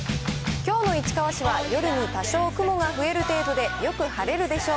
きょうの市川市は、夜に多少雲が増える程度でよく晴れるでしょう。